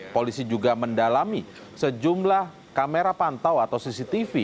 polisi juga mendalami sejumlah kamera pantau atau cctv